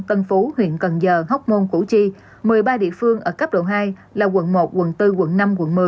tân phú huyện cần giờ hóc môn củ chi một mươi ba địa phương ở cấp độ hai là quận một quận bốn quận năm quận một mươi